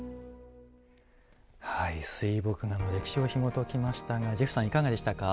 はい水墨画の歴史をひもときましたがジェフさんいかがでしたか？